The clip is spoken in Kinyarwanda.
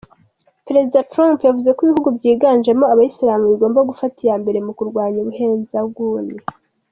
Perezida Trump yavuze ko ibihugu byiganjemo abayisilamu bigomba gufata iya mbere mu kurwanya ubuhezanguni.